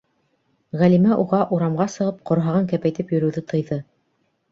Ғәлимә уға урамға сығып ҡорһағын кәпәйтеп йөрөүҙе тыйҙы.